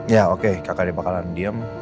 ya oke kakak dia bakalan diem